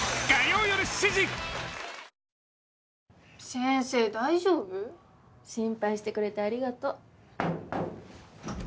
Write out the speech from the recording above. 先生大丈夫？心配してくれてありがとう。